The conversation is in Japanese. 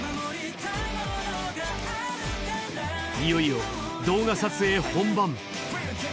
いよいよ動画撮影本番。